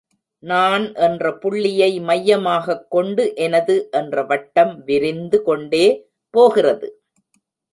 நான் என்ற புள்ளியை மையமாகக் கொண்டு எனது என்ற வட்டம் விரிந்து கொண்டே போகிறது.